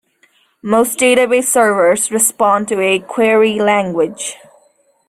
Most database servers respond to a query language.